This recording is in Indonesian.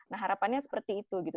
nah harapannya seperti itu